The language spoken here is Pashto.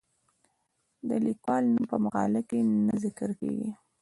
د لیکوال نوم په مقاله کې نه ذکر کیږي.